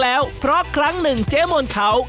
สำหรับน้องไม่ต้องคนเดียว